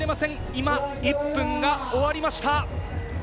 今、１分が終わりました。